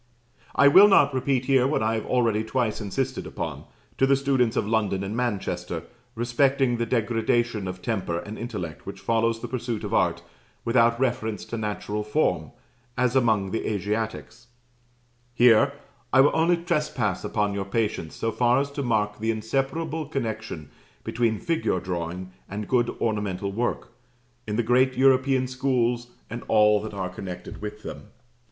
I will not repeat here what I have already twice insisted upon, to the students of London and Manchester, respecting the degradation of temper and intellect which follows the pursuit of art without reference to natural form, as among the Asiatics: here, I will only trespass on your patience so far as to mark the inseparable connection between figure drawing and good ornamental work, in the great European schools, and all that are connected with them.